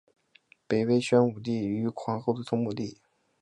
北魏宣武帝于皇后的同母弟。